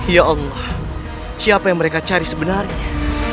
ya allah siapa yang mereka cari sebenarnya